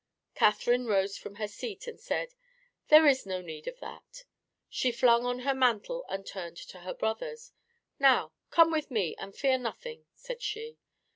Catherine rose from her seat, and said, "There is no need of that." She flung on her mantle and turned to her brothers. "Now, come with me, and fear nothing," said she.